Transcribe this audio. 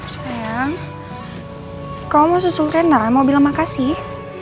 sayang kau mau susul rena mau bilang makasih